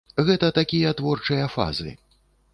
Гэта такія творчыя фазы.